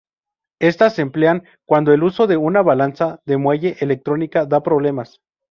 Estas se emplean cuando el uso de una balanza de muelle electrónica da problemas.